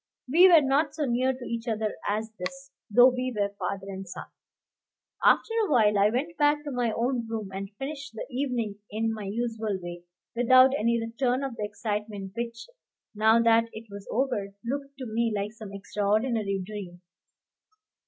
We were not so near to each other as this, though we were father and son. After a while I went back to my own room, and finished the evening in my usual way, without any return of the excitement which, now that it was over, looked to me like some extraordinary dream.